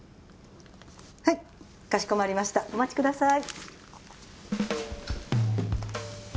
はいかしこまりましたお待ちください。